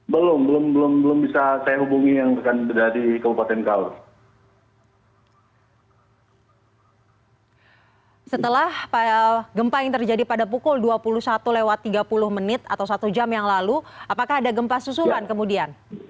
belum belum bisa saya hubungi yang berada di kabupaten kaur